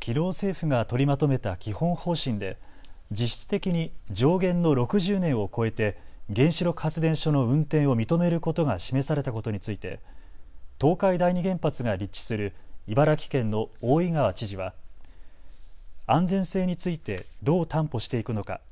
きのう、政府が取りまとめた基本方針で実質的に上限の６０年を超えて原子力発電所の運転を認めることが示されたことについて東海第二原発が立地する茨城県の大井川知事は安全性についてどう担保していくのか。